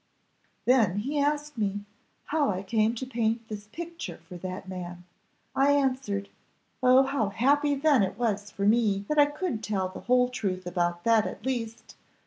"Then he asked me, how I came to paint this picture for that man; I answered oh how happy then it was for me that I could tell the whole truth about that at least!